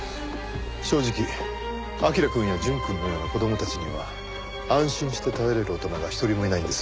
正直彬くんや淳くんのような子供たちには安心して頼れる大人が一人もいないんです。